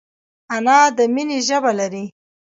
انا د مینې ژبه لري